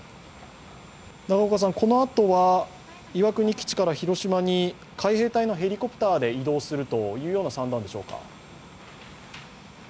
このあとは岩国基地から広島に海兵隊のヘリコプターで移動するという算段でしょうか。